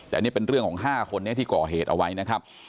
แต่นี่เป็นเรื่องของ๕คนนี้ที่ก่อเหตุเอาไว้นะครับ